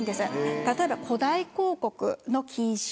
例えば誇大広告の禁止。